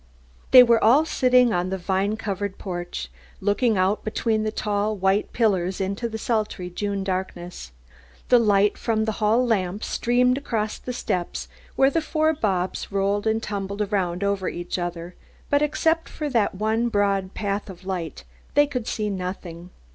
They were all sitting on the vine covered porch, looking out between the tall white pillars into the sultry June darkness. The light from the hall lamp streamed across the steps where the four Bobs rolled and tumbled around over each other, but except for that one broad path of light they could see nothing.